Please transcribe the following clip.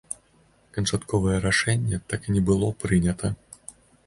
Канчатковае рашэнне так і не было прынята.